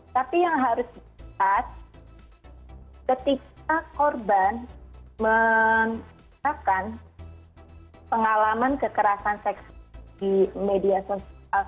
tapi yang harus dikatakan ketika korban menyebabkan pengalaman kekerasan seks di media sosial